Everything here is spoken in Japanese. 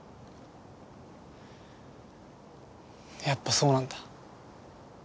やっぱそうなんだ。